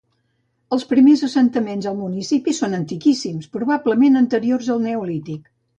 Els primers assentaments al municipi són antiquíssims, probablement anteriors al neolític.